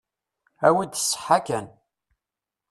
Awi-d ṣṣeḥḥa kan.